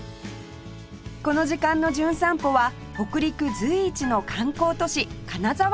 この時間の『じゅん散歩』は北陸随一の観光都市金沢スペシャル！